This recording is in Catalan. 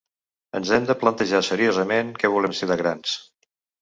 Ens hem de plantejar seriosament què volem ser de grans.